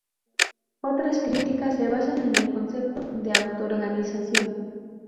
Otras críticas se basan en el concepto de autoorganización.